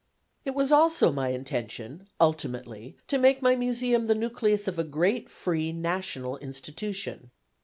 It was also my intention ultimately to make my Museum the nucleus of a great free national institution.